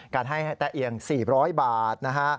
การให้แตะเอียง๔๐๐บาทนะฮะ